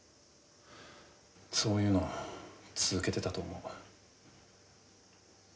そういうの続けてたと思う。